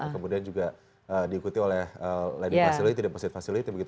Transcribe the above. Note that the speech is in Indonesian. kemudian juga diikuti oleh lending facility deposit facility